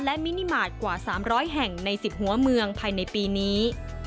และมินิมาตรกว่า๓๐๐แห่งใน๑๐หัวเมืองภายในปีนี้